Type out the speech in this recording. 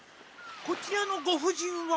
こちらのご婦人は？